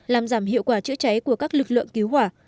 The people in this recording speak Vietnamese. làm giảm hiệu quả chữa cháy của các lực lượng cứu hỏa